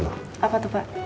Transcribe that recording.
apa tuh pak